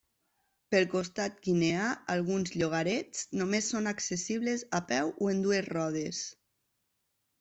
Pel costat guineà alguns llogarets només són accessibles a peu o en dues rodes.